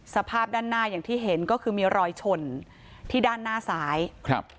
สภาพด้านหน้าอย่างที่เห็นก็คือมีรอยชนที่ด้านหน้าซ้ายครับ